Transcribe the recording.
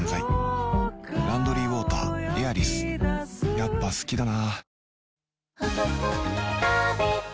やっぱ好きだな